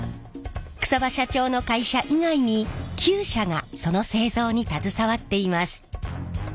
草場社長の会社以外に９社がその製造に携わっています。